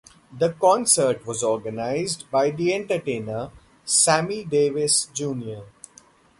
The concert was organised by the entertainer Sammy Davis Jr.